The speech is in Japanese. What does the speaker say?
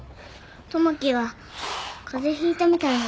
友樹が風邪ひいたみたいなの。